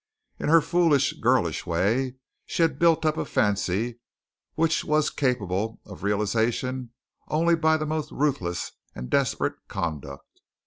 In her foolish, girlish way, she had built up a fancy which was capable of realization only by the most ruthless and desperate conduct.